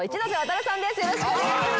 よろしくお願いします。